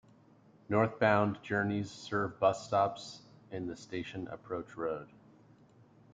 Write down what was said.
Northbound journeys serve bus stops in the Station Approach road.